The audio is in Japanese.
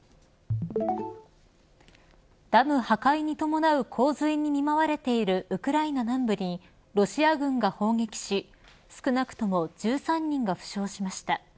ダム破壊に伴う洪水に見舞われているウクライナ南部にロシア軍が砲撃し少なくとも１３人が負傷しました。